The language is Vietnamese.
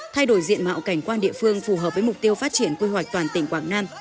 thay đổi diện mạo cảnh quan địa phương phù hợp với mục tiêu phát triển quy hoạch toàn tỉnh quảng nam